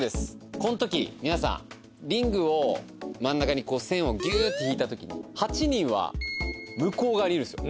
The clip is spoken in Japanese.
この時皆さんリングを真ん中に線をギューッと引いた時に８人は向こう側にいるんですよ。